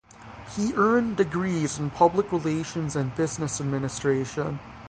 He earned degrees in public relations and business administration.